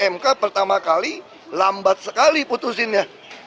mk pertama kali lambat sekali putusinnya